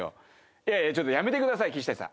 いやいやちょっとやめてください岸谷さん。